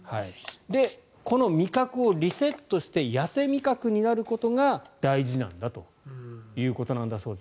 この味覚をリセットして痩せ味覚になることが大事なんだということだそうです。